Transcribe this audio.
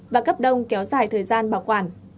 và cấp đông kéo dài thời gian bảo quản